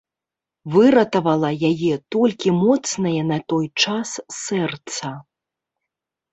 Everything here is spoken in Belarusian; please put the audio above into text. Выратавала яе толькі моцнае на той час сэрца.